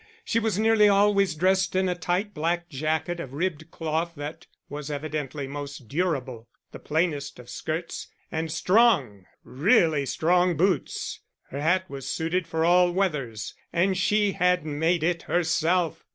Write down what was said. She was nearly always dressed in a tight black jacket of ribbed cloth that was evidently most durable, the plainest of skirts, and strong, really strong boots! Her hat was suited for all weathers and she had made it herself!